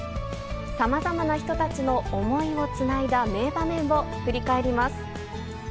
さまざまな人たちの想いをつないだ名場面を振り返ります。